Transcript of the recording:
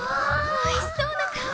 おいしそうな香り。